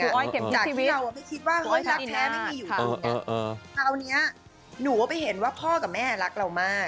ชีวิตเราไม่คิดว่าเฮ้ยรักแท้ไม่มีอยู่คราวนี้หนูก็ไปเห็นว่าพ่อกับแม่รักเรามาก